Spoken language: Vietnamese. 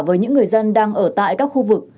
với những người dân đang ở tại các khu vực